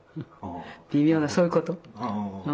微妙なそういうこと。